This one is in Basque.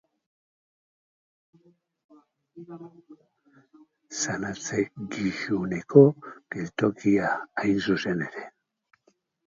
Samatze-Gixuneko geltokia hain zuzen ere.